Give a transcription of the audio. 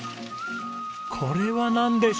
これはなんでしょう？